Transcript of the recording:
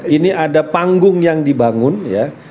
ini ada panggung yang dibangun ya